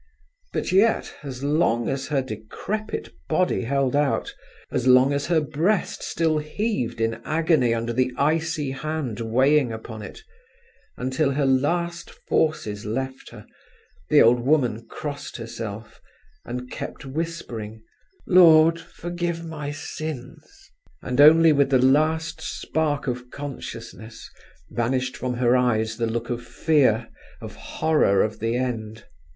But yet, as long as her decrepit body held out, as long as her breast still heaved in agony under the icy hand weighing upon it, until her last forces left her, the old woman crossed herself, and kept whispering, "Lord, forgive my sins"; and only with the last spark of consciousness, vanished from her eyes the look of fear, of horror of the end.